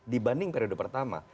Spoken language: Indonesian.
dibanding periode pertama